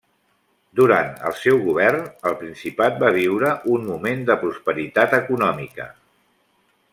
Durant el seu govern, el principat va viure un moment de prosperitat econòmica.